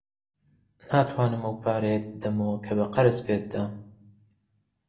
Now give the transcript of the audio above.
ناتوانم ئەو پارەیەت بدەمەوە کە بە قەرز پێت دام.